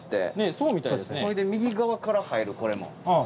ほいで右側から入るこれも。